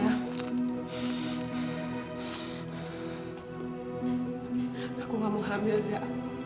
aku gak mau hamil gak